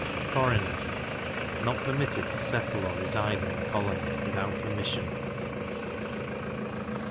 Foreigners not permitted to settle or reside in the colony, without permission.